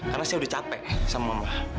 karena saya udah capek sama mama